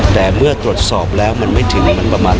แต่เมื่อตรวจสอบแล้วมันไม่ถึงมันประมาณ